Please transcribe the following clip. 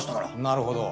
なるほど。